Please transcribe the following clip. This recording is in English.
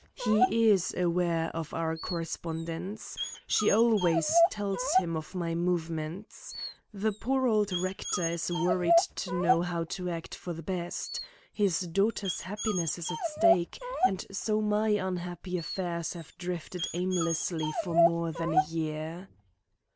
He is aware of our correspondence. She always tells him of my movements. The poor old rector is worried to know how to act for the best. His daughter's happiness is at stake, and so my unhappy affairs have drifted aimlessly for more than a year."